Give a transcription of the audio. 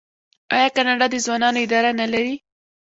آیا کاناډا د ځوانانو اداره نلري؟